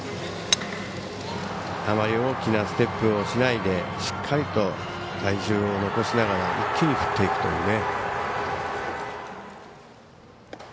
あまり大きなステップをしないでしっかりと体重を残しながら一気に振っていくというね。